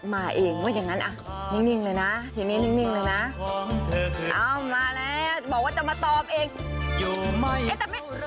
มานะบอกว่าจะมาตอบเอง